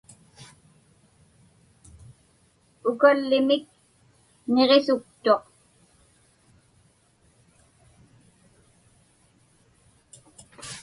Ukallimik niġisuktuq.